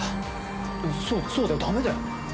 そうそうだよダメだよ。